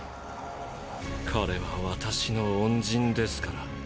彼は私の恩人ですから。